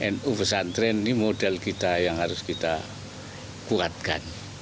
nu pesantren ini model kita yang harus kita kuatkan